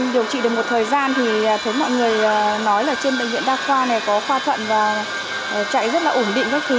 điều trị được một thời gian thì thường mọi người nói là trên bệnh viện đa khoa này có khoa thuận và chạy rất là ổn định các thứ